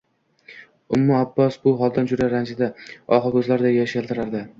Ummu Abbos bu holdan juda ranjidi, ohu ko`zlarida yosh yaltiradi